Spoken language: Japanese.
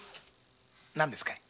何ですかい？